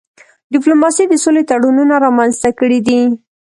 ډيپلوماسی د سولي تړونونه رامنځته کړي دي.